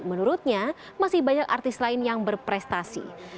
menurutnya masih banyak artis lain yang berprestasi